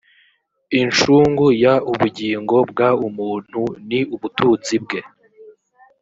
incungu y ubugingo bw umuntu ni ubutunzi bwe